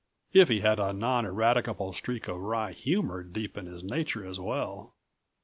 if he had a non eradicable streak of wry humor deep in his nature as well.